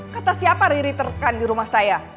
kata siapa riri terkan di rumah saya